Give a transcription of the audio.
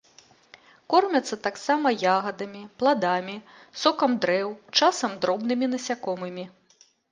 Кормяцца таксама ягадамі, пладамі, сокам дрэў, часам дробнымі насякомымі.